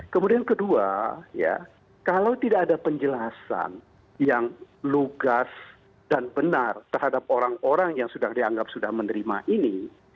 kemudian kedua kalau tidak ada penjelasan yang lugas dan benar terhadap orang orang yang sudah dianggap sudah menerima ini